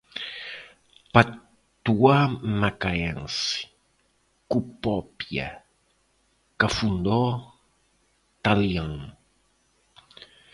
patuá macaense, cupópia, Cafundó, talian